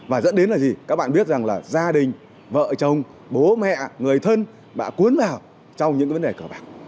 và dẫn đến là gì các bạn biết rằng là gia đình vợ chồng bố mẹ người thân đã cuốn vào trong những vấn đề cờ bạc